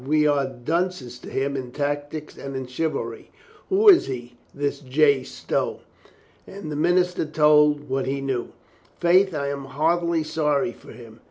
"We are dunces to him in tactics and in chivalry. Who is he, this J. Stow?" And the minister told what he knew. "Faith, I am heartily sorry for him.